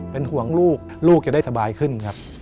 เป็นห่วงลูกลูกจะได้สบายขึ้นครับ